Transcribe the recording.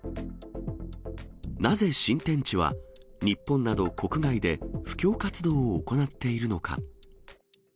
なぜ新天地は、日本など国外で布教活動を行っているのか。